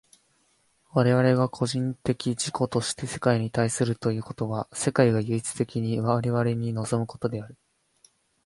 我々が個人的自己として世界に対するということは、世界が唯一的に我々に臨むことである。